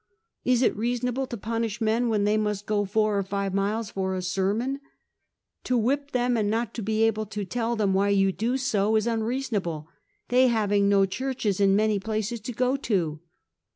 Is it reasonable to punish men when they must go four or five miles for a sermon ? To whip them, and not to be able to tell them why you do so, is unreasonable, they having no churches in many places to go to.